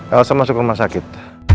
elsa masuk rumah sakit